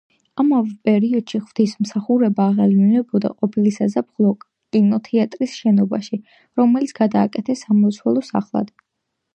ამავე პერიოდში ღვთისმსახურება აღევლინებოდა ყოფილი საზაფხულო კინოთეატრის შენობაში, რომელიც გადააკეთეს სამლოცველო სახლად.